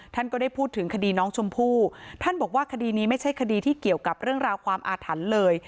ท่านก็ได้พูดถึงคดีน้องชมพู่ท่านบอกว่าคดีนี้ไม่ใช่คดีที่เกี่ยวกับเรื่องราวความอาถรรพ์เลย